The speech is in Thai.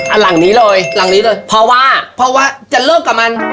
อ่าหลังนี้เลยหลังนี้เลยพอว่าพอว่าจะเลิกกับมัน